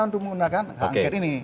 untuk menggunakan angkat ini